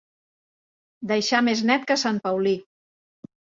Deixar més net que a sant Paulí.